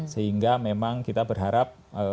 sehingga memang kita berharap